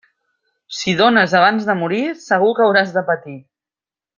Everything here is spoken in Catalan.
Si dónes abans de morir, segur que hauràs de patir.